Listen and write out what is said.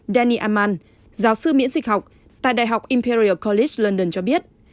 danny amman giáo sư miễn dịch học tại đại học imperial college london cho biết